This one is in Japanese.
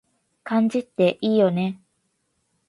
漢字っていいよね